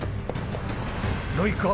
よいか？